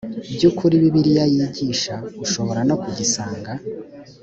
by ukuri bibiliya yigisha ushobora no kugisanga